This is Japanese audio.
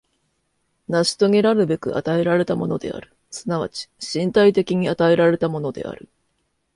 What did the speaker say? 成し遂げらるべく与えられたものである、即ち身体的に与えられたものである。